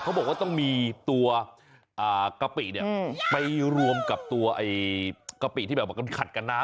เขาบอกว่าจะมีกะปิไปรวมกับกะปิที่ขัดกับน้ำ